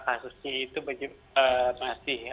kasusnya itu masih